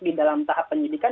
di dalam tahap penyidikan